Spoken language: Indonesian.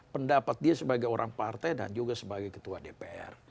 pendapat dia sebagai orang partai dan juga sebagai ketua dpr